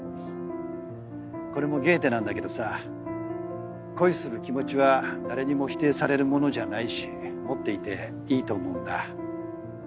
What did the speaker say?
これもゲーテなんだけどさ恋する気持ちは誰にも否定されるものじゃないし持っていていいと思うんだ。